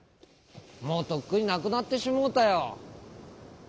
もうとっくになくなってしもうたよ」。